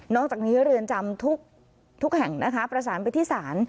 จากนี้เรือนจำทุกแห่งนะคะประสานไปที่ศาล